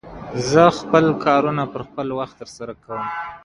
Pignerolle became his headquarters.